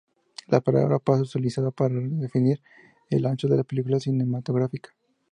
La palabra "paso" es utilizada para definir el ancho de la película cinematográfica.